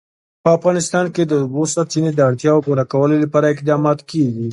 په افغانستان کې د د اوبو سرچینې د اړتیاوو پوره کولو لپاره اقدامات کېږي.